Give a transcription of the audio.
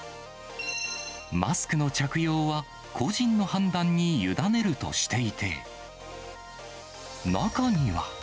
マスクの着用は、個人の判断に委ねるとしていて、中には。